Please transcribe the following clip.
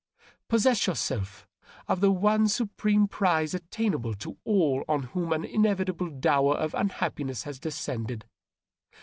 Possess yourself of the one supreme prize attainable to all on whom an inevitable dower of unhappiness has descended.